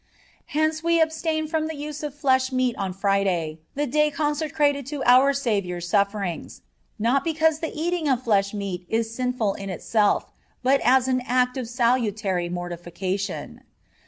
(9) Hence we abstain from the use of flesh meat on Friday—the day consecrated to our Savior's sufferings—not because the eating of flesh meat is sinful in itself, but as an act of salutary mortification.